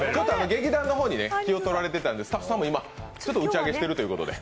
劇団の方に気を取られていたのでスタッフさんも今、打ち上げしているということで、